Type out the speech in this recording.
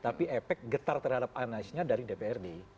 tapi efek getar terhadap anasnya dari dprd